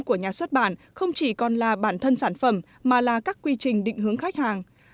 của nhà xuất bản không chỉ còn là bản thân sản phẩm mà là các quy trình định hướng khách hàng